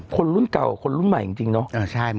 คนรุ่นเก่ากับคนรุ่นใหม่จริงเนาะ